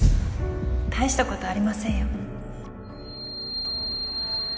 大したことありませんよ